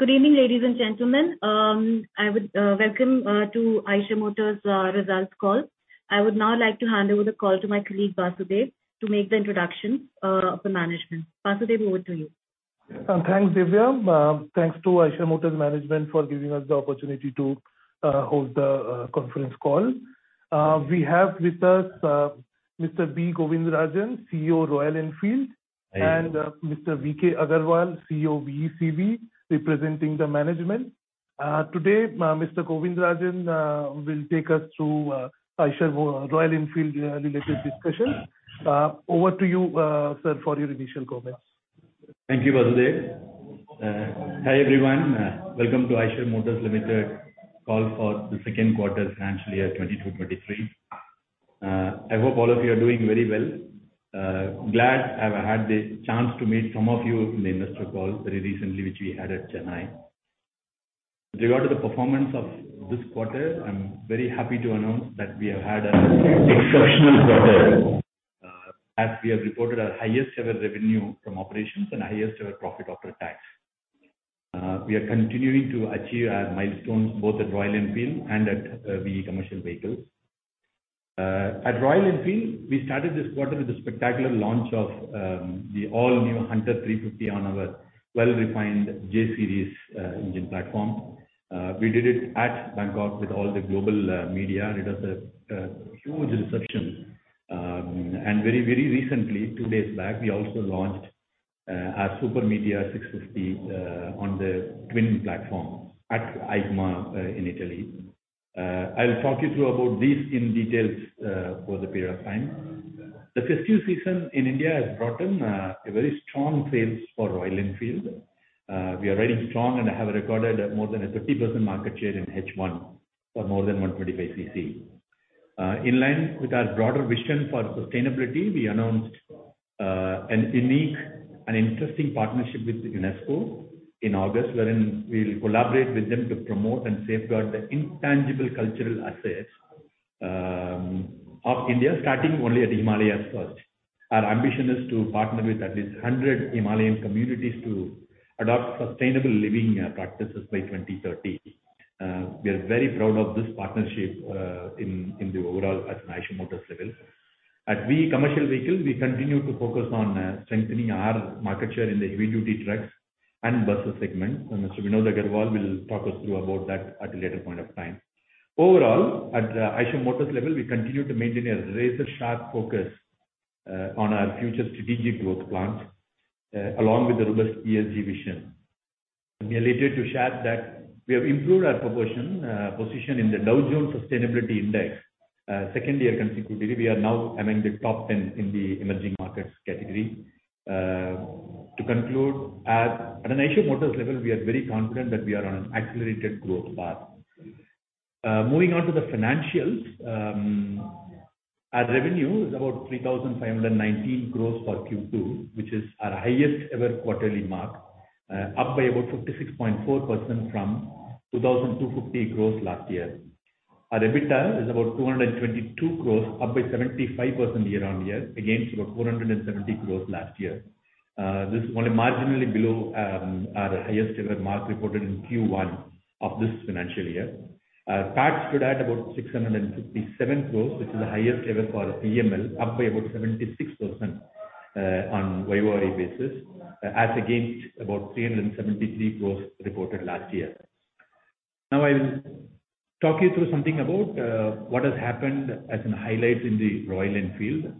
Good evening, ladies and gentlemen. I would welcome to Eicher Motors results call. I would now like to hand over the call to my colleague, Basudeb, to make the introduction for management. Basudeb, over to you. Thanks, Divya. Thanks to Eicher Motors management for giving us the opportunity to hold the conference call. We have with us Mr. B. Govindarajan, CEO, Royal Enfield. Thank you. Mr. Vinod Aggarwal, CEO VECV, representing the management. Today, Mr. Govindarajan will take us through Eicher Royal Enfield related discussions. Over to you, sir, for your initial comments. Thank you, Basudeb. Hi, everyone. Welcome to Eicher Motors Limited call for the second quarter financial year 2022-2023. I hope all of you are doing very well. Glad I've had the chance to meet some of you in the investor call very recently, which we had at Chennai. With regard to the performance of this quarter, I'm very happy to announce that we have had an exceptional quarter. As we have reported our highest ever revenue from operations and highest ever profit after tax. We are continuing to achieve our milestones both at Royal Enfield and at VE Commercial Vehicles. At Royal Enfield, we started this quarter with a spectacular launch of the all-new Hunter 350 on our well-refined J-series engine platform. We did it at Bangkok with all the global media. It has a huge reception. Very recently, two days back, we also launched our Super Meteor 650 on the twin platform at EICMA in Italy. I'll talk you through about these in details over the period of time. The festive season in India has brought in a very strong sales for Royal Enfield. We are very strong and have recorded more than a 30% market share in H1 for more than 125 cc. In line with our broader vision for sustainability, we announced a unique and interesting partnership with UNESCO in August, wherein we'll collaborate with them to promote and safeguard the intangible cultural assets of India, starting only at Himalayas first. Our ambition is to partner with at least 100 Himalayan communities to adopt sustainable living practices by 2030. We are very proud of this partnership, in the overall at an Eicher Motors level. At VE Commercial Vehicles, we continue to focus on strengthening our market share in the heavy duty trucks and buses segment. Mr. Vinod Aggarwal will talk us through about that at a later point of time. Overall, at Eicher Motors level, we continue to maintain a razor-sharp focus on our future strategic growth plans along with the robust ESG vision. I'm here later to share that we have improved our proportion position in the Dow Jones Sustainability Index, second year consecutively. We are now among the top ten in the emerging markets category. To conclude, at an Eicher Motors level, we are very confident that we are on an accelerated growth path. Moving on to the financials. Our revenue is about 3,519 crores for Q2, which is our highest ever quarterly mark. Up by about 56.4% from 2,250 crores last year. Our EBITDA is about 222 crores, up by 75% year-on-year, against about 470 crores last year. This is only marginally below our highest ever mark reported in Q1 of this financial year. PAT stood at about 657 crores, which is the highest ever for EML, up by about 76%, on YoY basis. As against about 373 crores reported last year. Now, I'll talk you through something about what has happened as a highlight in the Royal Enfield.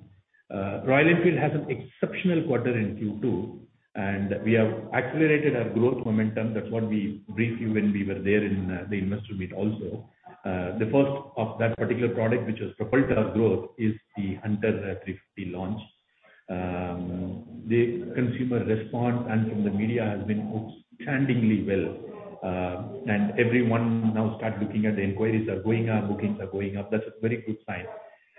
Royal Enfield has an exceptional quarter in Q2, and we have accelerated our growth momentum. That's what we briefed you when we were there in the investor meet also. The first of that particular product, which has propelled our growth is the Hunter 350 launch. The consumer response and from the media has been outstandingly well. Everyone now start looking at the inquiries are going up, bookings are going up. That's a very good sign.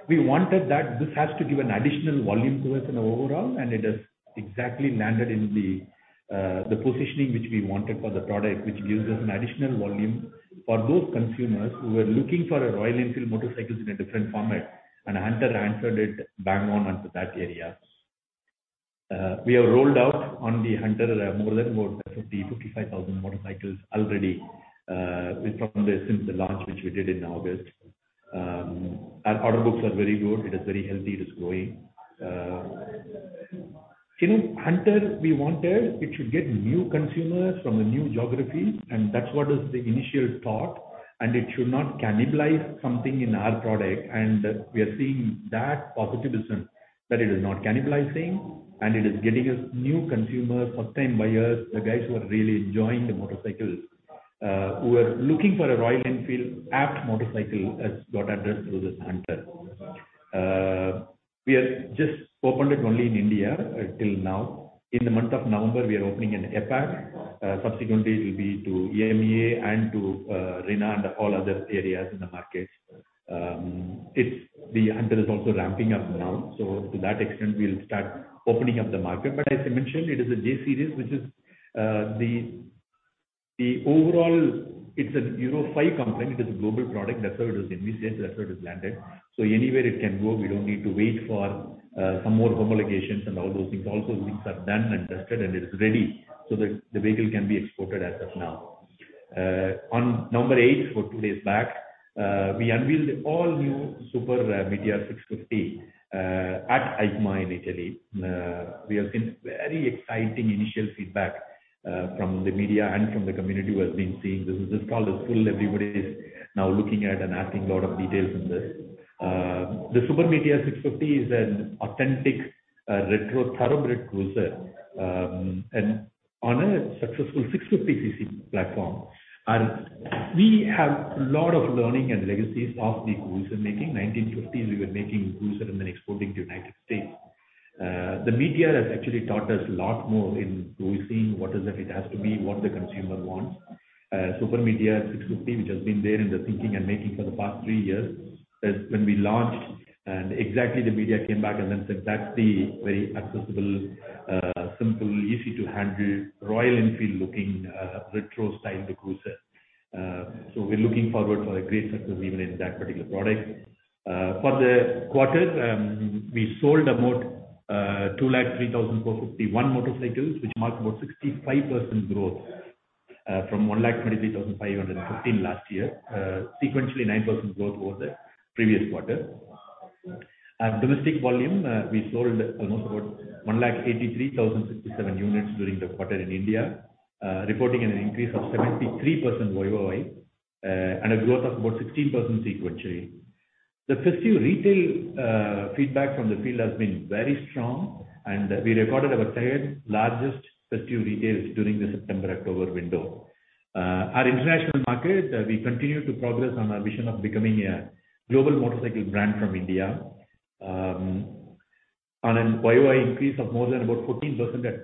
We wanted that this has to give an additional volume to us in overall, and it has exactly landed in the positioning which we wanted for the product, which gives us an additional volume for those consumers who were looking for a Royal Enfield motorcycles in a different format. Hunter answered it bang on onto that area. We have rolled out on the Hunter more than about 55,000 motorcycles already, since the launch, which we did in August. Our order books are very good. It is very healthy. It is growing. You know, Hunter, we wanted it should get new consumers from the new geographies, and that's what is the initial thought. It should not cannibalize something in our product. We are seeing that positivity, that it is not cannibalizing, and it is getting us new consumers, first time buyers, the guys who are really enjoying the motorcycles, who are looking for a Royal Enfield apt motorcycle has got addressed through this Hunter. We have just opened it only in India, till now. In the month of November, we are opening in APAC. Subsequently, it will be to EMEA and to and all other areas in the markets. It's the Hunter is also ramping up now, so to that extent, we'll start opening up the market. As I mentioned, it is a J-series, which is the overall, it's a Euro 5 compliant. It is a global product. That's how it was envisaged, that's how it is landed. Anywhere it can go, we don't need to wait for some more homologations and all those things also, which are done and tested and is ready so that the vehicle can be exported as of now. On November eighth, or two days back, we unveiled all new Super Meteor 650 at EICMA in Italy. We have seen very exciting initial feedback from the media and from the community who has been seeing this. This call is full. Everybody is now looking at and asking a lot of details on this. The Super Meteor 650 is an authentic, retro thoroughbred cruiser, and on a successful 650 cc platform. We have a lot of learning and legacies of the cruiser making. 1950s, we were making cruiser and then exporting to United States. The Meteor has actually taught us a lot more in cruising, what is it has to be, what the consumer wants. Super Meteor 650, which has been there in the thinking and making for the past three years, is when we launched and exactly the media came back and then said that's the very accessible, simple, easy to handle Royal Enfield looking, retro styled cruiser. We're looking forward for a great success even in that particular product. For the quarter, we sold about 203,451 motorcycles, which marked about 65% growth from 123,515 last year. Sequentially 9% growth over the previous quarter. At domestic volume, we sold almost about 183,067 units during the quarter in India, reporting an increase of 73% YoY, and a growth of about 16% sequentially. The festive retail feedback from the field has been very strong, and we recorded our third largest festive retails during the September-October window. Our international market, we continue to progress on our mission of becoming a global motorcycle brand from India, on a YoY increase of more than about 14% at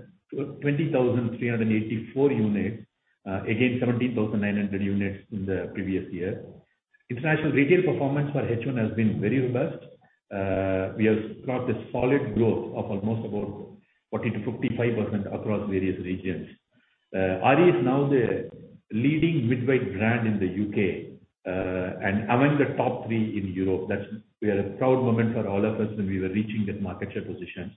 20,384 units. Again, 17,900 units in the previous year. International retail performance for H1 has been very robust. We have got a solid growth of almost about 40%-55% across various regions. RE is now the leading midweight brand in the U.K., and among the top three in Europe. It's a proud moment for all of us when we were reaching that market share position.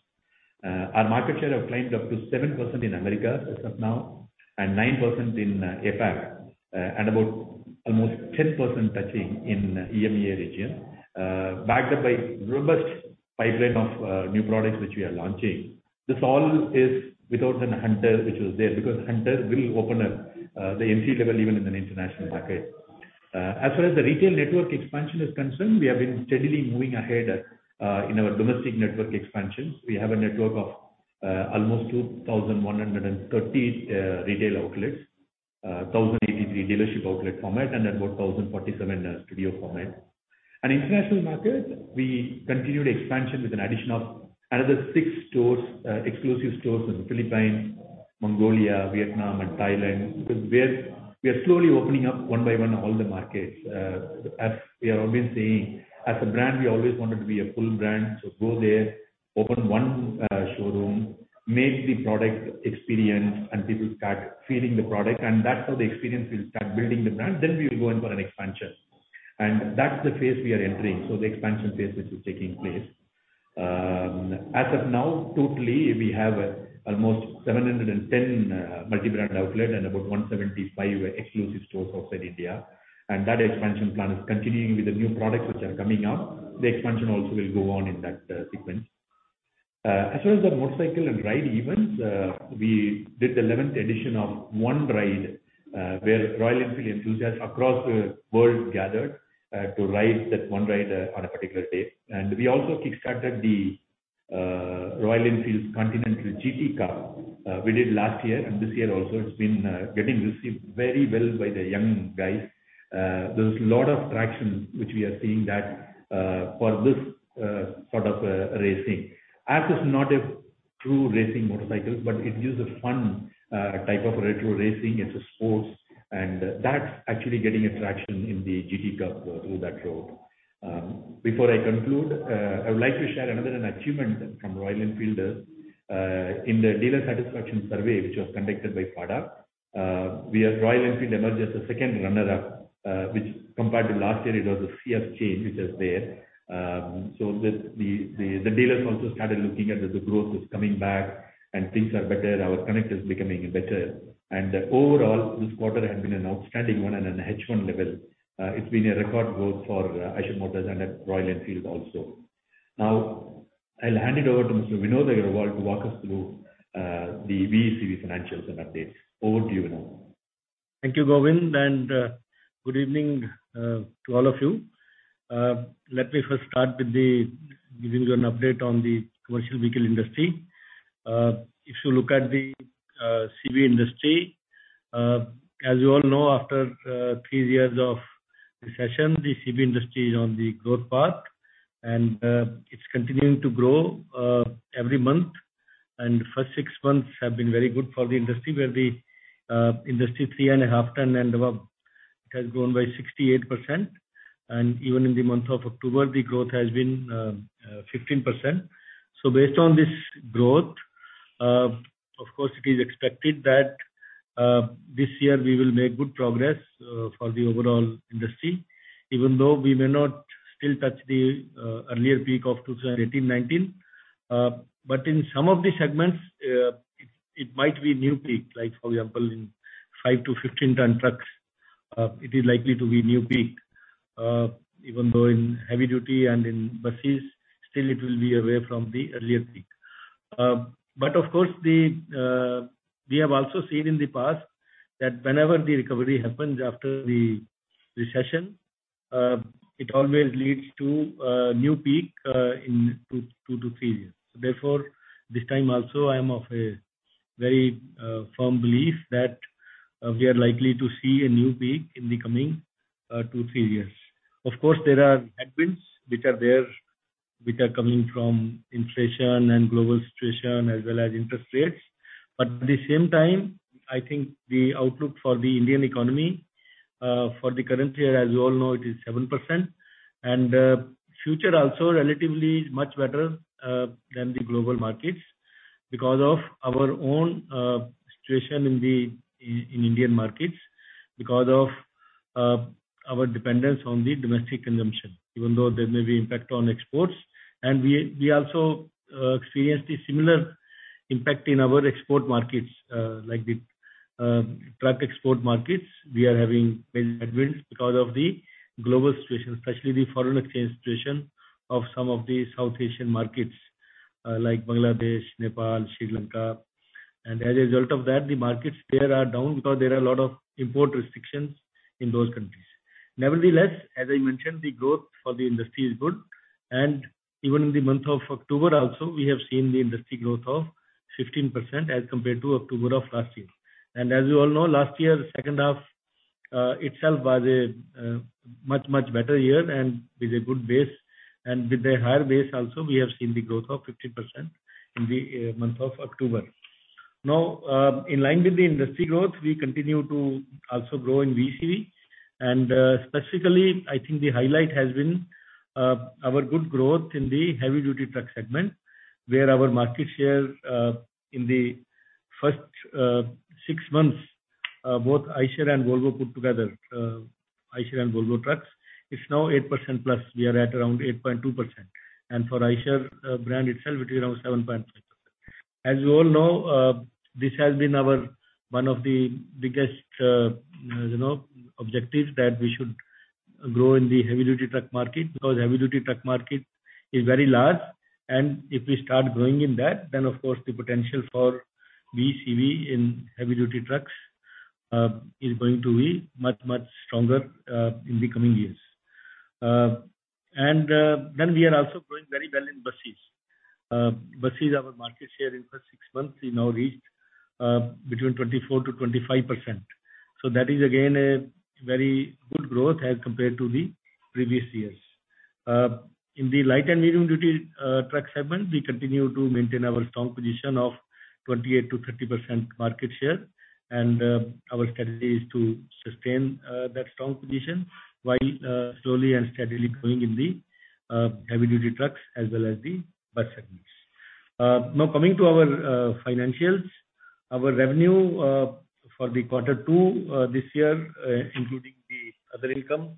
Our market share have climbed up to 7% in America as of now, and 9% in APAC, and about almost 10% touching in EMEA region, backed up by robust pipeline of new products which we are launching. This all is without a Hunter, which was there, because Hunter will open up the entry level even in an international market. As far as the retail network expansion is concerned, we have been steadily moving ahead in our domestic network expansion. We have a network of almost 2,130 retail outlets. 1,083 dealership outlet format and about 1,047 studio format. In international markets, we continued expansion with an addition of another six stores, exclusive stores in the Philippines, Mongolia, Vietnam and Thailand. Because we are slowly opening up one by one all the markets. As we are always saying, as a brand, we always wanted to be a full brand. Go there, open one showroom, make the product experience and people start feeling the product, and that's how the experience will start building the brand. Then we will go in for an expansion. That's the phase we are entering. The expansion phase which is taking place. As of now, totally we have almost 710 multi-brand outlet and about 175 exclusive stores outside India. That expansion plan is continuing with the new products which are coming out. The expansion also will go on in that sequence. As far as the motorcycle and ride events, we did the eleventh edition of One Ride, where Royal Enfield enthusiasts across the world gathered to ride that One Ride on a particular day. We also kickstarted the Royal Enfield Continental GT Cup, we did last year and this year also. It's been getting received very well by the young guys. There's lot of traction which we are seeing that for this sort of racing. As it's not a true racing motorcycle, but it gives a fun type of retro racing. It's a sports, and that's actually getting a traction in the GT Cup through that route. Before I conclude, I would like to share another an achievement from Royal Enfield. In the dealer satisfaction survey which was conducted by FADA, we as Royal Enfield emerged as the second runner-up, which compared to last year it was a fierce change which is there. The dealers also started looking at the growth is coming back and things are better. Our connect is becoming better. Overall this quarter has been an outstanding one at an H1 level. It's been a record growth for Eicher Motors and at Royal Enfield also. Now I'll hand it over to Mr. Vinod Aggarwal to walk us through the VECV financials and updates. Over to you, Vinod. Thank you, Govind, and good evening to all of you. Let me first start with the giving you an update on the commercial vehicle industry. If you look at the CV industry, as you all know, after three years of recession, the CV industry is on the growth path and it's continuing to grow every month. First six months have been very good for the industry, where the industry 3.5-ton and above. It has grown by 68%, and even in the month of October, the growth has been 15%. Based on this growth, of course, it is expected that this year we will make good progress for the overall industry. Even though we may not still touch the earlier peak of 2018, 2019, but in some of the segments, it might be new peak, like for example, in 5-15 ton trucks, it is likely to be new peak. Even though in heavy duty and in buses, still it will be away from the earlier peak. Of course we have also seen in the past that whenever the recovery happens after the recession, it always leads to a new peak in two to three years. Therefore, this time also, I am of a very firm belief that we are likely to see a new peak in the coming two-three years. Of course, there are headwinds which are there, which are coming from inflation and global situation as well as interest rates. At the same time, I think the outlook for the Indian economy, for the current year, as you all know, it is 7%. Future also relatively is much better than the global markets because of our own situation in the Indian markets, because of our dependence on the domestic consumption, even though there may be impact on exports. We also experienced a similar impact in our export markets. Like the truck export markets, we are having many headwinds because of the global situation, especially the foreign exchange situation of some of the South Asian markets, like Bangladesh, Nepal, Sri Lanka. As a result of that, the markets there are down because there are a lot of import restrictions in those countries. Nevertheless, as I mentioned, the growth for the industry is good. Even in the month of October also, we have seen the industry growth of 15% as compared to October of last year. As you all know, last year, the second half itself was a much better year and with a good base. With a higher base also, we have seen the growth of 15% in the month of October. Now, in line with the industry growth, we continue to also grow in VECV. Specifically, I think the highlight has been our good growth in the heavy duty truck segment, where our market share in the first six months both Eicher and Volvo put together, Eicher and Volvo trucks, is now 8%+. We are at around 8.2%. For Eicher brand itself, it is around 7.5%. As you all know, this has been our one of the biggest objectives that we should grow in the heavy duty truck market, because heavy duty truck market is very large. If we start growing in that, then of course, the potential for VECV in heavy duty trucks is going to be much, much stronger in the coming years. Then we are also growing very well in buses. Buses, our market share in first six months is now reached between 24%-25%. That is again a very good growth as compared to the previous years. In the light and medium duty truck segment, we continue to maintain our strong position of 28%-30% market share. Our strategy is to sustain that strong position while slowly and steadily growing in the heavy duty trucks as well as the bus segments. Now coming to our financials. Our revenue for quarter two this year, including the other income,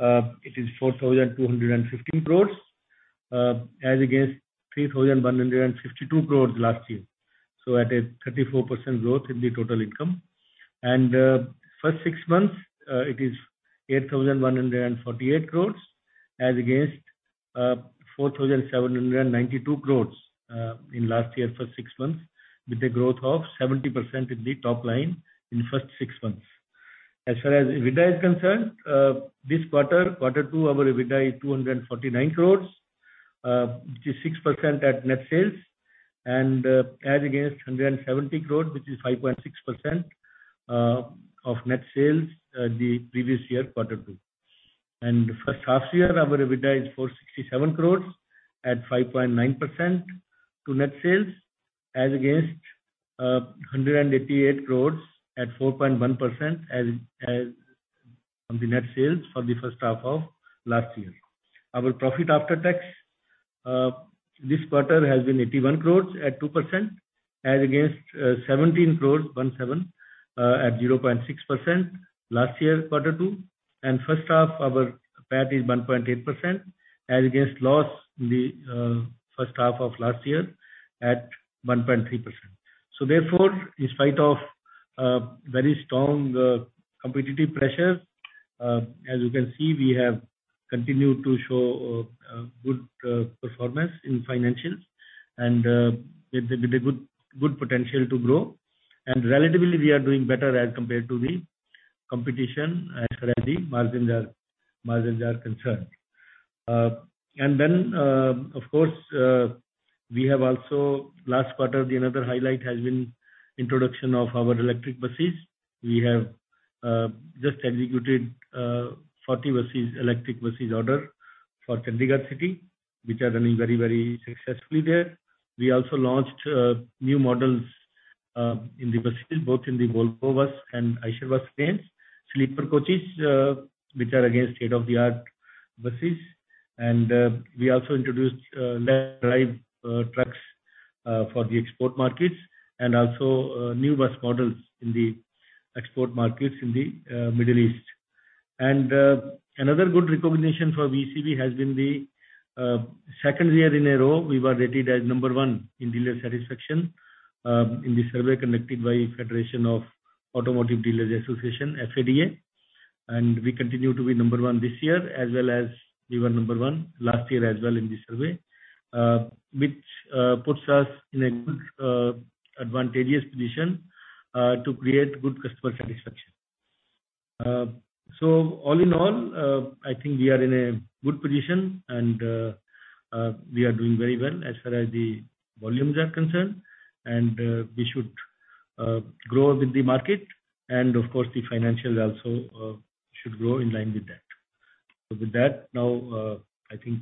it is 4,215 crores as against 3,152 crores last year. At a 34% growth in the total income. First six months, it is 8,148 crores as against 4,792 crores in last year first six months, with a growth of 70% in the top line in the first six months. As far as EBITDA is concerned, this quarter two, our EBITDA is 249 crores, which is 6% of net sales in the previous year, quarter two. First half year, our EBITDA is 467 crores at 5.9% of net sales, as against 188 crores at 4.1% of net sales for the first half of last year. Our profit after tax this quarter has been 81 crores at 2% as against 17 crores, 17, at 0.6% last year quarter two. First half, our PAT is 1.8% as against loss in the first half of last year at 1.3%. In spite of very strong competitive pressure, as you can see, we have continued to show good performance in financials and with a good potential to grow. Relatively, we are doing better as compared to the competition as far as the margins are concerned. Of course, we have also last quarter another highlight has been introduction of our electric buses. We have just executed 40 buses, electric buses order for Chandigarh city, which are running very, very successfully there. We also launched new models in the buses, both in the Volvo bus and Eicher bus range, sleeper coaches, which are again state-of-the-art buses. We also introduced left drive trucks for the export markets and also new bus models in the export markets in the Middle East. Another good recognition for VECV has been the second year in a row we were rated as number one in dealer satisfaction in the survey conducted by Federation of Automobile Dealers Associations, FADA. We continue to be number one this year as well as we were number one last year as well in the survey. Which puts us in a good advantageous position to create good customer satisfaction. All in all, I think we are in a good position and we are doing very well as far as the volumes are concerned. We should grow with the market and of course, the financials also should grow in line with that. With that, now, I think,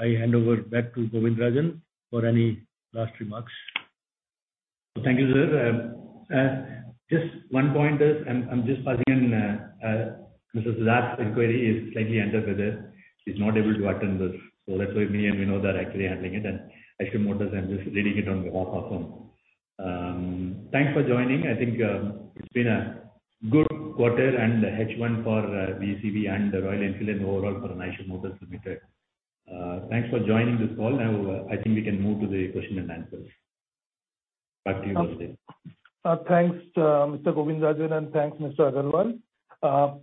I hand over back to Govindarajan for any last remarks. Thank you, sir. Just one point is I'm just passing on Mr. Siddhartha's inquiry. He's slightly under the weather. He's not able to attend this. That's why me and Vinod are actually handling it and Eicher Motors. I'm just leading it on behalf of him. Thanks for joining. I think it's been a good quarter and H1 for VECV and Royal Enfield and overall for Eicher Motors Limited. Thanks for joining this call. Now I think we can move to the question and answers. Back to you, Vinod. Thanks, Mr. Govindrajan, and thanks, Mr. Agarwal.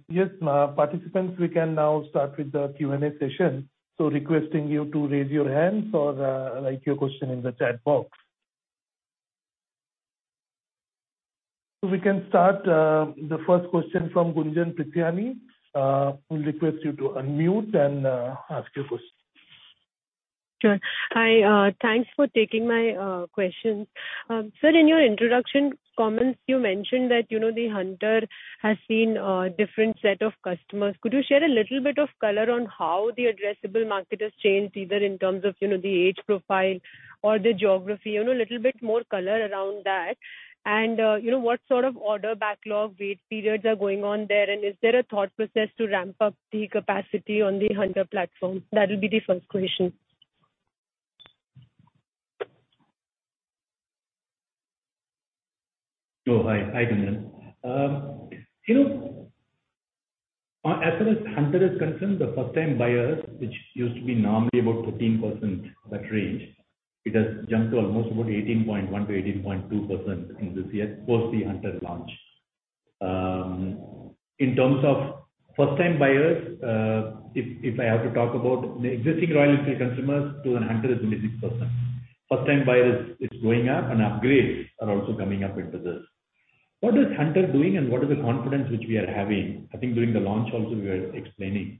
Yes, participants, we can now start with the Q&A session. Requesting you to raise your hands or write your question in the chat box. We can start, the first question from Gunjan Prithyani. We request you to unmute and ask your question. Sure. Hi, thanks for taking my questions. Sir, in your introduction comments, you mentioned that, you know, the Hunter has seen a different set of customers. Could you share a little bit of color on how the addressable market has changed, either in terms of, you know, the age profile or the geography? You know, a little bit more color around that. You know, what sort of order backlog wait periods are going on there, and is there a thought process to ramp up the capacity on the Hunter platform? That will be the first question. Oh, hi. Hi, Gunjan. You know, as far as Hunter is concerned, the first time buyers, which used to be normally about 13%, that range, it has jumped to almost about 18.1%-18.2% in this year post the Hunter launch. In terms of first time buyers, if I have to talk about the existing Royal Enfield consumers to an Hunter is 26%. First time buyers is going up and upgrades are also coming up into this. What is Hunter doing and what is the confidence which we are having? I think during the launch also we were explaining.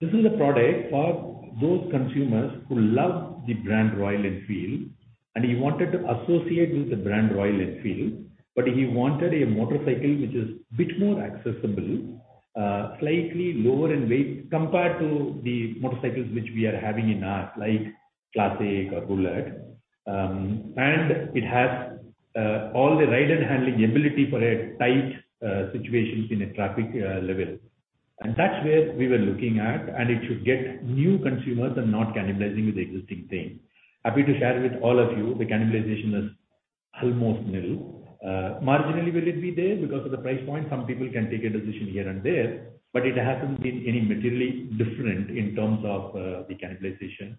This is a product for those consumers who love the brand Royal Enfield, and he wanted to associate with the brand Royal Enfield, but he wanted a motorcycle which is bit more accessible, slightly lower in weight compared to the motorcycles which we are having in our like Classic or Bullet. And it has all the ride and handling ability for a tight situations in a traffic level. That's where we were looking at, and it should get new consumers and not cannibalizing with the existing thing. Happy to share with all of you, the cannibalization is almost nil. Marginally will it be there because of the price point. Some people can take a decision here and there, but it hasn't been any materially different in terms of the cannibalization.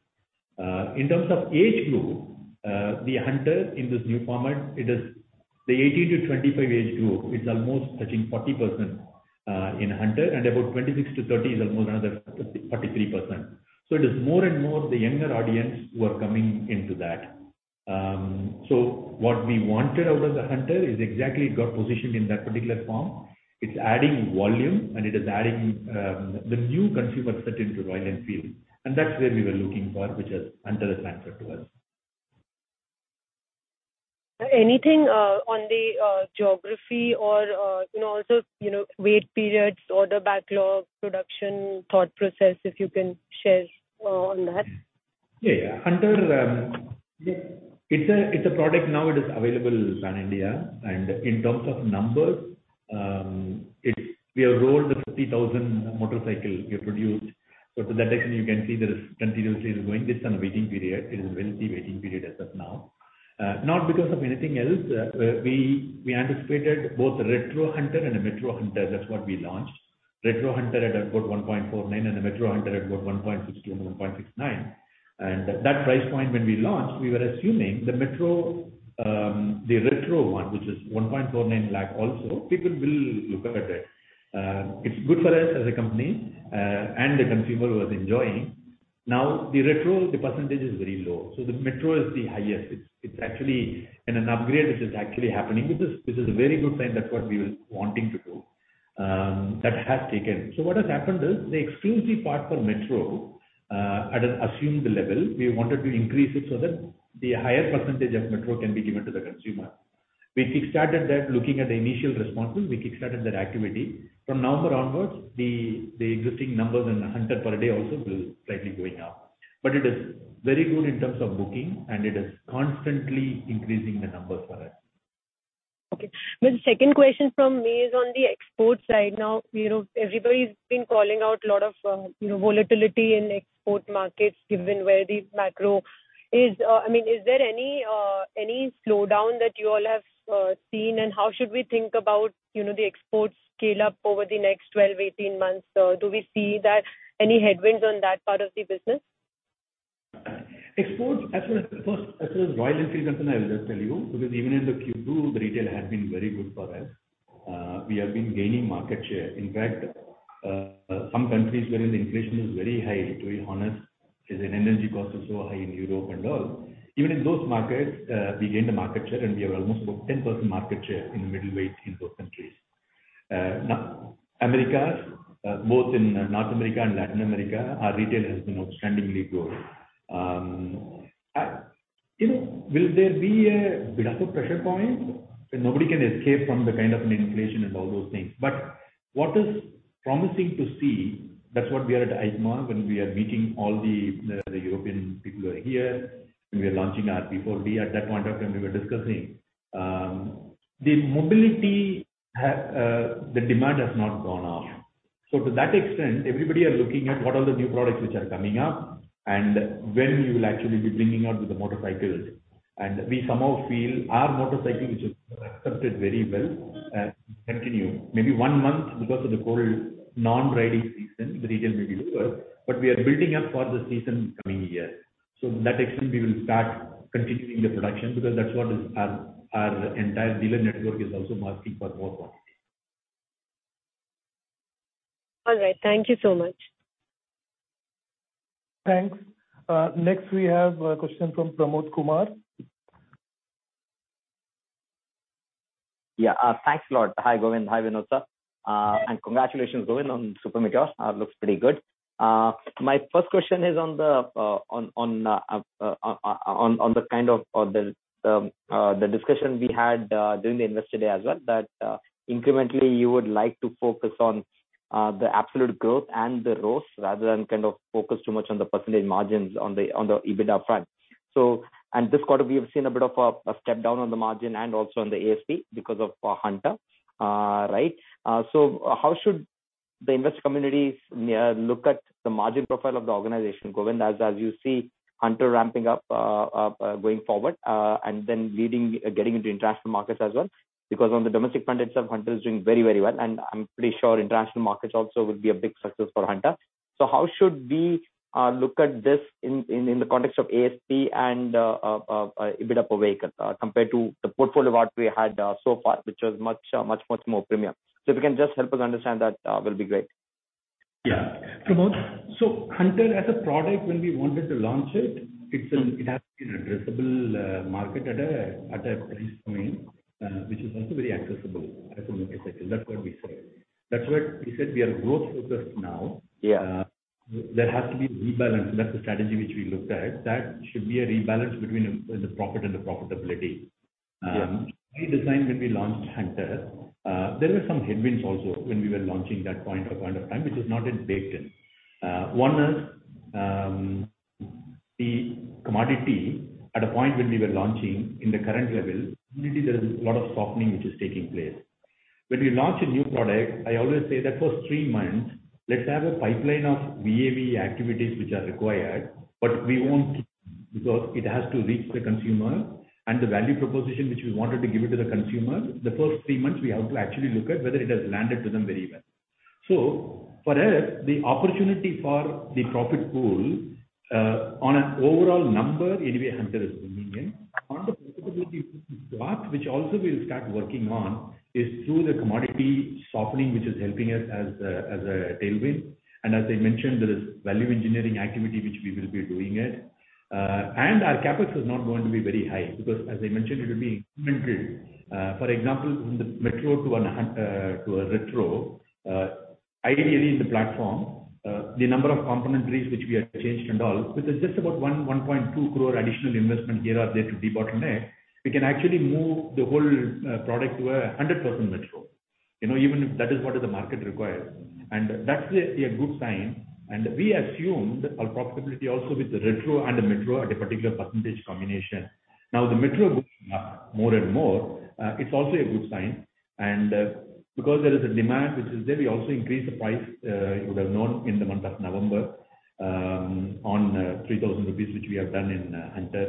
In terms of age group, the Hunter in this new format, it is the 18-25 age group is almost touching 40%, in Hunter, and about 26-30 is almost another 43%. It is more and more the younger audience who are coming into that. What we wanted out of the Hunter is exactly it got positioned in that particular form. It's adding volume, and it is adding the new consumer set into Royal Enfield. That's where we were looking for, which is Hunter has transferred to us. Anything on the geography or, you know, also, you know, wait periods, order backlog, production thought process, if you can share on that? Yeah, yeah. Hunter, it's a product now it is available pan-India. In terms of numbers, we have rolled out 50,000 motorcycles we have produced. To that extent you can see there is continuously it is growing. There is some waiting period. It is a healthy waiting period as of now. Not because of anything else. We anticipated both Retro Hunter and Metro Hunter. That's what we launched. Retro Hunter at about 1.49 lakh and Metro Hunter at about 1.62-1.69 lakh. That price point when we launched, we were assuming Metro, the Retro one, which is 1.49 lakh also, people will look at it. It's good for us as a company, and the consumer who is enjoying. Now, the Retro, the percentage is very low, so the Metro is the highest. It's actually in an upgrade which is actually happening, which is a very good sign. That's what we were wanting to do. That has taken. What has happened is the exclusive part for Metro at an assumed level, we wanted to increase it so that the higher percentage of Metro can be given to the consumer. We kickstarted that activity looking at the initial responses. From November onwards, the existing numbers and Hunter per day also will slightly going up. It is very good in terms of booking, and it is constantly increasing the numbers for us. Okay. The second question from me is on the export side. Now, you know, everybody's been calling out a lot of, you know, volatility in export markets given where the macro is. I mean, is there any slowdown that you all have seen? And how should we think about, you know, the exports scale up over the next 12, 18 months? Do we see any headwinds on that part of the business? Exports, first, as far as Royal Enfield is concerned, I will just tell you, because even in the Q2, the retail has been very good for us. We have been gaining market share. In fact, some countries wherein the inflation is very high, to be honest, as in energy costs are so high in Europe and all. Even in those markets, we gained a market share, and we have almost about 10% market share in middleweight in those countries. Now Americas, both in North America and Latin America, our retail has been outstandingly good. You know, will there be a bit of a pressure point? Nobody can escape from the kind of an inflation and all those things. What is promising to see, that's what we are at EICMA, when we are meeting all the European people who are here, when we are launching our B40 at that point of time we were discussing. The demand has not gone off. To that extent, everybody are looking at what are the new products which are coming up and when you will actually be bringing out the motorcycles. We somehow feel our motorcycle, which is accepted very well, continue. Maybe one month because of the cold non-riding season, the retail may be lower, but we are building up for the season coming year. To that extent, we will start continuing the production because that's what is our entire dealer network is also asking for more quantity. All right. Thank you so much. Thanks. Next we have a question from Pramod Kumar. Yeah. Thanks a lot. Hi, Govind. Hi, Vinod sir. Congratulations, Govind, on Super Meteor. Looks pretty good. My first question is on the kind of or the discussion we had during the Investor Day as well, that incrementally you would like to focus on the absolute growth and the ROCE rather than kind of focus too much on the percentage margins on the EBITDA front. This quarter we have seen a bit of a step down on the margin and also on the ASP because of Hunter, right? How should the investor community look at the margin profile of the organization, Govind, as you see Hunter ramping up, going forward, and then leading, getting into international markets as well? Because on the domestic front itself, Hunter is doing very well, and I'm pretty sure international markets also will be a big success for Hunter. How should we look at this in the context of ASP and EBITDA per vehicle, compared to the portfolio what we had so far, which was much more premium. If you can just help us understand that, will be great. Pramod, Hunter as a product, when we wanted to launch it has been an addressable market at a price point which is also very accessible as a motorcycle. That's what we say. That's why we said we are growth focused now. Yeah. There has to be rebalance. That's the strategy which we looked at. That should be a rebalance between the profit and the profitability. We designed when we launched Hunter, there were some headwinds also when we were launching that point of time, which is not as baked in. One was the commodity at a point when we were launching in the current level, immediately there is a lot of softening which is taking place. When we launch a new product, I always say that first three months, let's have a pipeline of VAV activities which are required, but we won't because it has to reach the consumer. The value proposition which we wanted to give it to the consumer, the first three months we have to actually look at whether it has landed to them very well. For us, the opportunity for the profit pool, on an overall number, anyway Hunter is bringing in. On the profitability front, what we'll also start working on is through the commodity softening, which is helping us as a tailwind. As I mentioned, there is value engineering activity which we will be doing. Our CapEx is not going to be very high because as I mentioned, it will be incremental. For example, from the Metro Hunter to a Retro Hunter, ideally the platform, the number of components which we have changed and all, which is just about 1.2 crore additional investment here or there to debottleneck, we can actually move the whole product to 100% Metro Hunter. You know, even if that is what the market requires. That's a good sign. We assumed our profitability also with the Retro Hunter and the Metro Hunter at a particular percentage combination. Now the Metro bookings up more and more, it's also a good sign. Because there is a demand which is there, we also increased the price, you would have known in the month of November, on 3,000 rupees, which we have done in Hunter.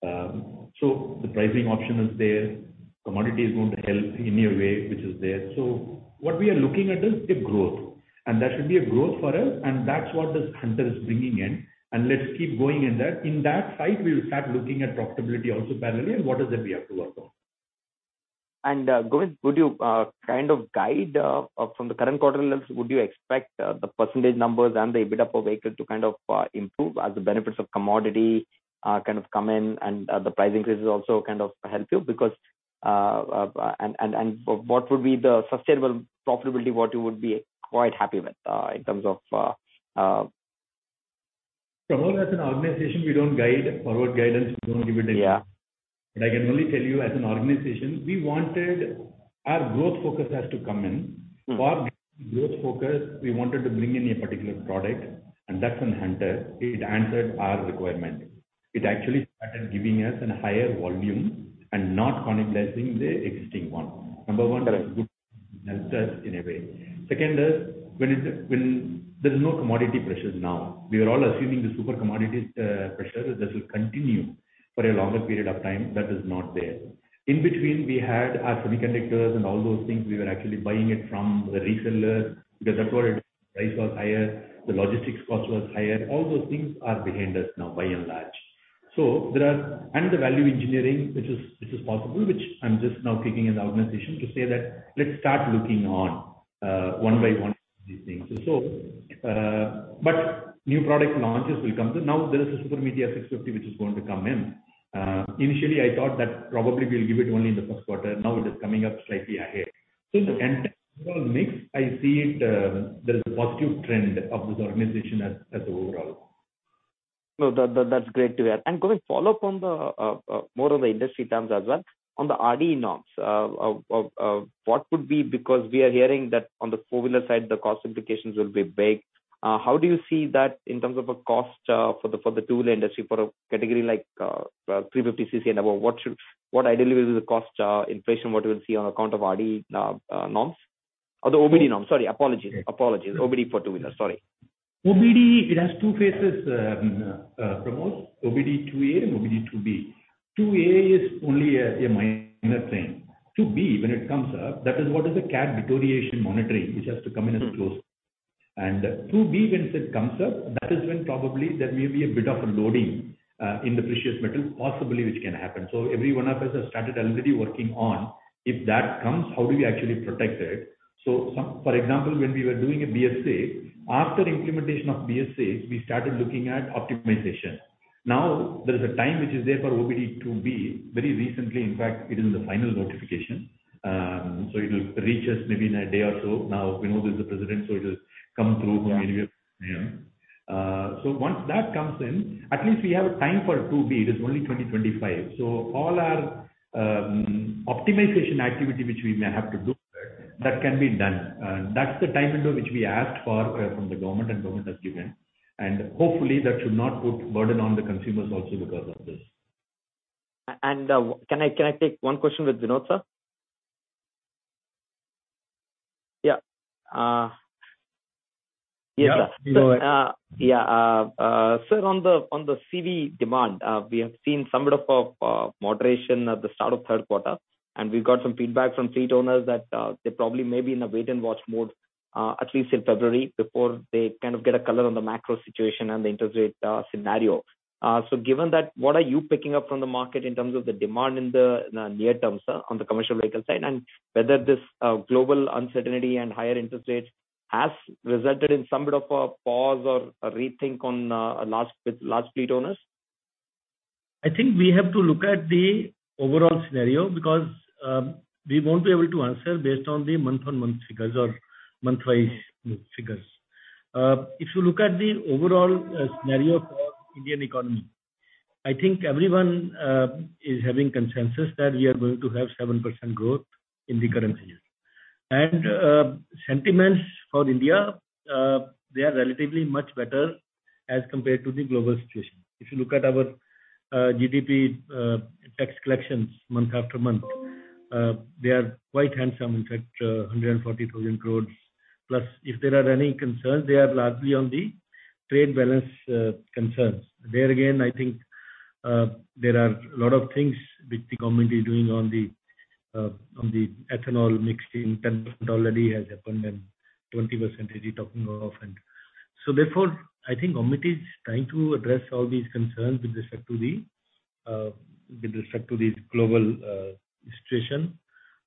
The pricing option is there. Commodity is going to help in a way which is there. What we are looking at is the growth, and there should be a growth for us, and that's what this Hunter is bringing in, and let's keep going in that. In that light, we'll start looking at profitability also parallelly and what is it we have to work on. Govind, could you kind of guide from the current quarter levels, would you expect the percentage numbers and the EBITDA per vehicle to kind of improve as the benefits of commodity kind of come in and the price increases also kind of help you? Because, and what would be the sustainable profitability, what you would be quite happy with in terms of. Pramod, as an organization, we don't guide forward guidance. We don't give a date. Yeah. I can only tell you as an organization, we wanted our growth focus has to come in. For growth focus, we wanted to bring in a particular product, and that's a Hunter. It answered our requirement. It actually started giving us a higher volume and not cannibalizing the existing one. Number one, good Hunters in a way. Second is when there's no commodity pressures now. We are all assuming the severe commodity pressure that will continue for a longer period of time. That is not there. In between, we had our semiconductors and all those things. We were actually buying it from the reseller because, of course, price was higher, the logistics cost was higher. All those things are behind us now by and large. There is the value engineering, which is possible, which I'm just now kicking in the organization to say that let's start looking into one by one these things. But new product launches will come. Now there is a Super Meteor 650 which is going to come in. Initially I thought that probably we'll give it only in the first quarter. Now it is coming up slightly ahead. In terms of mix, I see it, there is a positive trend of this organization as overall. No, that's great to hear. Govind, follow up on the more of the industry terms as well. On the RDE norms, what would be because we are hearing that on the four-wheeler side, the cost implications will be big. How do you see that in terms of a cost for the two-wheeler industry, for a category like 350 cc and above, what ideally will be the cost inflation what we'll see on account of RDE norms or the OBD norms? Sorry, apologies. OBD for two-wheeler. Sorry. OBD, it has two phases, Pramod. OBD-IIA and OBD-IIB. 2A is only a minor thing. IIB, when it comes up, that is what is catalyst deterioration monitoring which has to come in as close. IIB, when it comes up, that is when probably there may be a bit of loading in the precious metal possibly which can happen. Everyone of us has started already working on if that comes, how do we actually protect it. For example, when we were doing a BSVI, after implementation of BSVI, we started looking at optimization. Now there is a time which is there for OBD-IIB. Very recently, in fact, it is in the final notification. It will reach us maybe in a day or so. Now we know there's a precedent, so it will come through immediately. Once that comes in, at least we have a timeline for OBD-2B. It is only 2025. All our optimization activity which we may have to do, that can be done. That's the time window which we asked for from the government and government has given. Hopefully that should not put burden on the consumers also because of this. Can I take one question with Vinod Aggarwal, sir? Yeah. Yes, sir. Yeah. Yeah. Sir, on the CV demand, we have seen some bit of moderation at the start of third quarter, and we got some feedback from fleet owners that they probably may be in a wait and watch mode, at least in February before they kind of get a color on the macro situation and the interest rate scenario. Given that, what are you picking up from the market in terms of the demand in the near term, sir, on the commercial vehicle side, and whether this global uncertainty and higher interest rates has resulted in some bit of a pause or a rethink on large fleet owners? I think we have to look at the overall scenario because we won't be able to answer based on the month-on-month figures or month-wise figures. If you look at the overall scenario for Indian economy, I think everyone is having consensus that we are going to have 7% growth in the current year. Sentiments for India, they are relatively much better as compared to the global situation. If you look at our GDP, tax collections month after month, they are quite handsome. In fact, 140,000 crore. Plus if there are any concerns, they are largely on the trade balance concerns. There again, I think there are a lot of things which the government is doing on the on the ethanol mixing. 10% already has happened and 20% is talking of. Therefore, I think government is trying to address all these concerns with respect to the global situation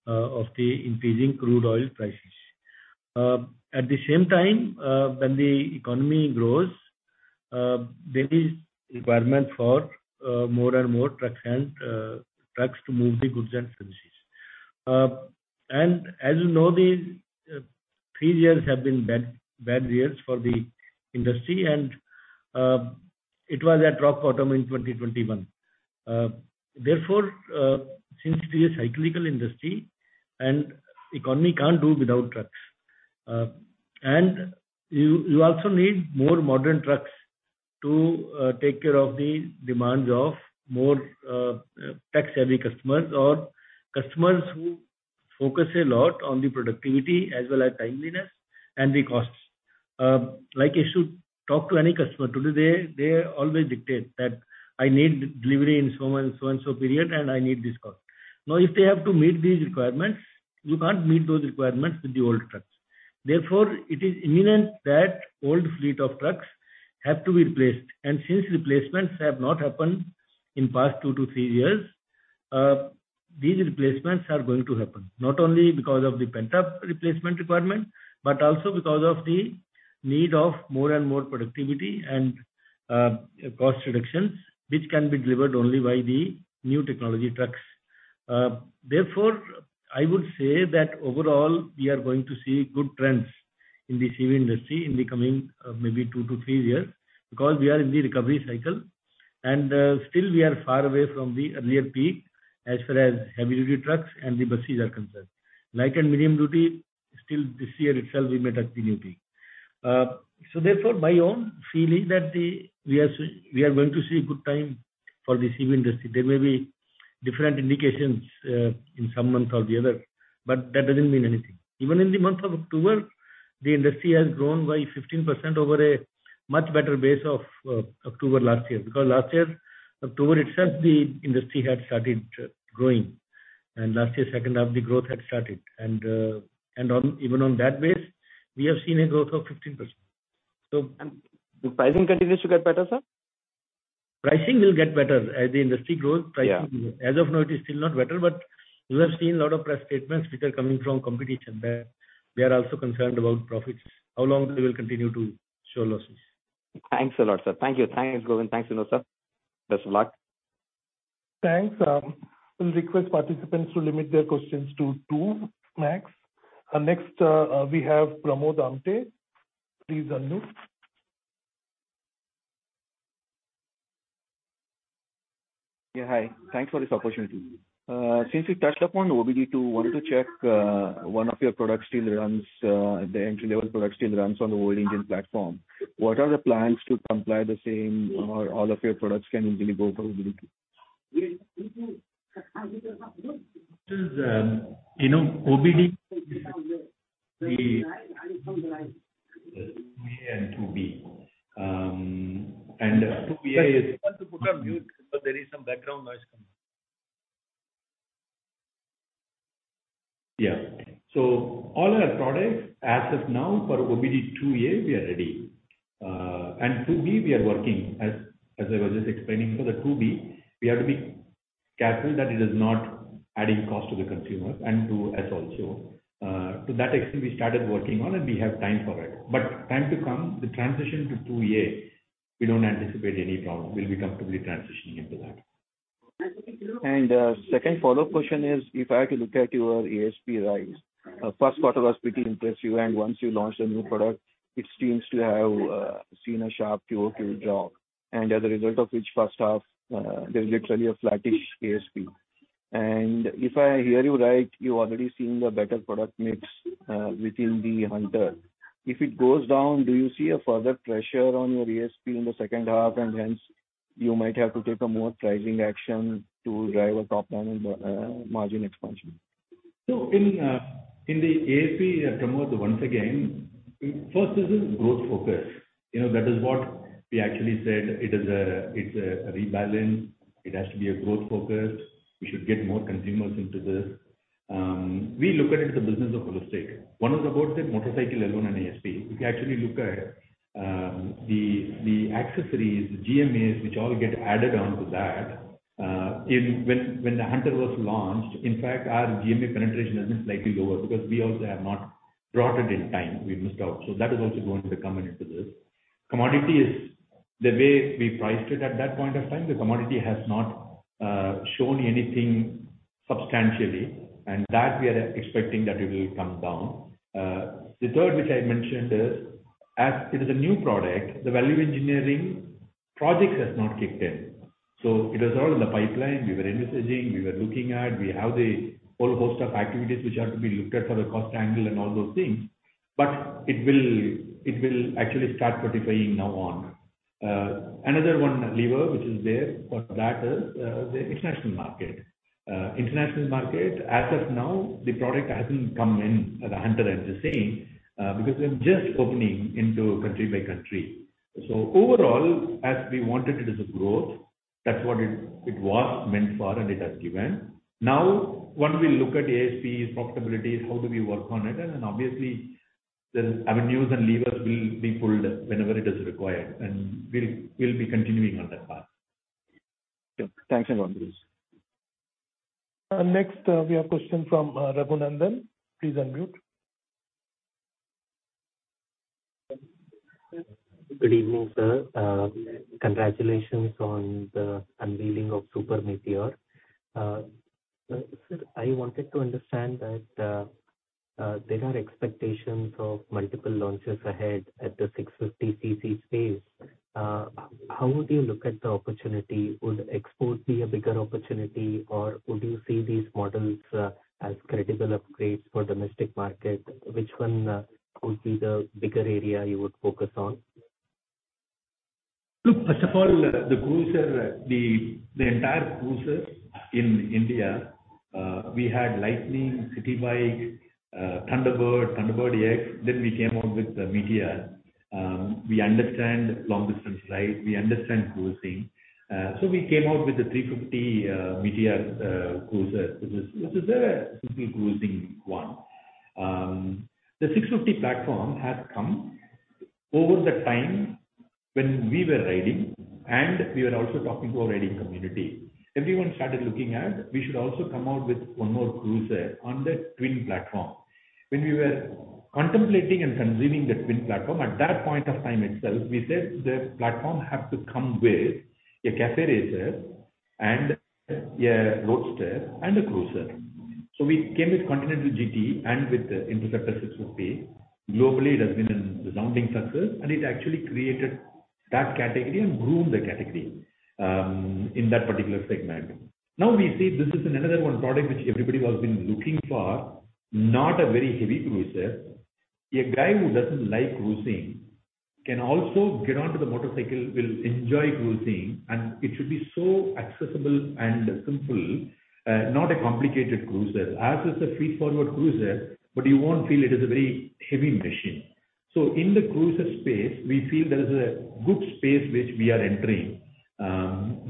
of the increasing crude oil prices. At the same time, when the economy grows, there is requirement for more and more trucks to move the goods and services. As you know, the three years have been bad years for the industry and it was at rock bottom in 2021. Therefore, since it is a cyclical industry and economy can't do without trucks. You also need more modern trucks to take care of the demands of more tax heavy customers or customers who focus a lot on the productivity as well as timeliness and the costs. Like you should talk to any customer today, they always dictate that I need delivery in so and so and so period, and I need this cost. Now, if they have to meet these requirements, you can't meet those requirements with the old trucks. Therefore, it is imminent that old fleet of trucks have to be replaced. Since replacements have not happened in past two to three years, these replacements are going to happen not only because of the pent-up replacement requirement, but also because of the need of more and more productivity and cost reductions which can be delivered only by the new technology trucks. Therefore, I would say that overall we are going to see good trends in the CV industry in the coming, maybe two to three years because we are in the recovery cycle and, still we are far away from the earlier peak as far as heavy-duty trucks and the buses are concerned. Light and medium duty still this year itself we may touch the new peak. My own feeling that we are going to see good time for the CV industry. There may be different indications in some months or the other, but that doesn't mean anything. Even in the month of October, the industry has grown by 15% over a much better base of October last year. Because last year, October itself, the industry had started growing and last year second half the growth had started and even on that base we have seen a growth of 15%. The pricing continues to get better, sir? Pricing will get better. As the industry grows. Yeah. Pricing will grow. As of now it is still not better, but you have seen a lot of press statements which are coming from competition that they are also concerned about profits, how long they will continue to show losses. Thanks a lot, sir. Thank you. Thanks, Govind. Thanks a lot, sir. Best of luck. Thanks. We'll request participants to limit their questions to two max. Next, we have Pramod Amthe. Please unmute. Hi. Thanks for this opportunity. Since you touched upon OBD-II, wanted to check, the entry-level product still runs on the old engine platform. What are the plans to comply the same or all of your products can easily go for OBD-II? This is, OBD-IIA and IIB. and II BA is- Sir, you have to put on mute because there is some background noise coming. Yeah. All our products as of now for OBD-IIA we are ready. OBD-IIB we are working. As I was just explaining, for the OBD-IIB we have to be careful that it is not adding cost to the consumer and to us also. That actually we started working on and we have time for it. Time to come, the transition to OBD-IIA, we don't anticipate any problem. We'll be comfortably transitioning into that. Second follow-up question is, if I had to look at your ASP rise, first quarter was pretty impressive, and once you launched a new product, it seems to have seen a sharp QoQ drop, and as a result of which first half, there's literally a flattish ASP. If I hear you right, you're already seeing a better product mix within the Hunter. If it goes down, do you see a further pressure on your ASP in the second half and hence you might have to take a more pricing action to drive a top line and margin expansion? In the ASP, Pramod, once again, first this is growth focused. You know, that is what we actually said. It is a rebalance. It has to be a growth focused. We should get more consumers into this. We look at it as a business of holistic. One is about the motorcycle alone and ASP. If you actually look at the accessories, the GMAs which all get added on to that, when the Hunter was launched, in fact our GMA penetration has been slightly lower because we also have not brought it in time. We missed out. That is also going to come into this. Commodity is the way we priced it at that point of time. The commodity has not shown anything substantially and that we are expecting that it will come down. The third which I mentioned is, as it is a new product, the value engineering project has not kicked in. It was all in the pipeline. We were envisaging, we were looking at, we have the whole host of activities which are to be looked at for the cost angle and all those things, but it will actually start from now on. Another one lever which is there for that is, the international market. International market as of now, the product hasn't come in, the Hunter I'm just saying, because we are just opening into country by country. Overall, as we wanted it as a growth, that's what it was meant for and it has given. Now when we look at ASPs, profitability, how do we work on it? Obviously the avenues and levers will be pulled whenever it is required and we'll be continuing on that path. Yeah. Thanks a lot. Next, we have question from Raghunandhan NL. Please unmute. Good evening, sir. Congratulations on the unveiling of Super Meteor. Sir, I wanted to understand that there are expectations of multiple launches ahead at the 650 cc space. How would you look at the opportunity? Would export be a bigger opportunity or would you see these models as credible upgrades for domestic market? Which one would be the bigger area you would focus on? Look, first of all, the cruiser, the entire cruiser in India, we had Lightning, City Bike, Thunderbird X, then we came out with the Meteor. We understand long-distance rides, we understand cruising, so we came out with the 350 Meteor cruiser, which is a simple cruising one. The 650 platform has come over the time when we were riding and we were also talking to our riding community. Everyone started looking at we should also come out with one more cruiser on that twin platform. When we were contemplating and conceiving the twin platform, at that point of time itself, we said the platform have to come with a cafe racer and a roadster and a cruiser. We came with Continental GT and with the Interceptor 650. Globally, it has been a resounding success, and it actually created that category and grew the category in that particular segment. Now we see this is another one product which everybody has been looking for, not a very heavy cruiser. A guy who doesn't like cruising can also get onto the motorcycle, will enjoy cruising, and it should be so accessible and simple, not a complicated cruiser. Ours is a straightforward cruiser, but you won't feel it is a very heavy machine. So in the cruiser space, we feel there is a good space which we are entering.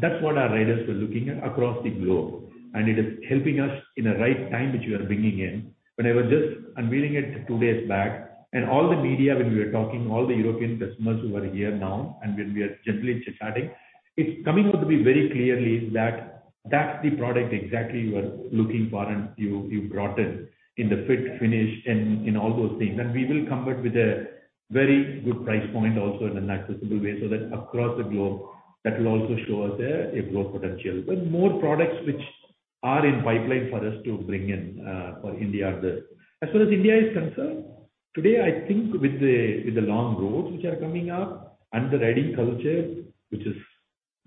That's what our riders were looking at across the globe, and it is helping us in a right time, which we are bringing in. When I was just unveiling it two days back and all the media when we were talking, all the European customers who are here now and when we are generally chatting, it's coming out to be very clearly that that's the product exactly you are looking for and you brought it in the fit, finish, in all those things. We will come back with a very good price point also in an accessible way so that across the globe that will also show us a growth potential. More products which are in pipeline for us to bring in for India are there. As far as India is concerned, today, I think with the long roads which are coming up and the riding culture which is